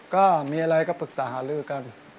ก็มีอะไรก็ปรึกษาหาลือกัน